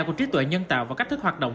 của trí tuệ nhân tạo và cách thức hoạt động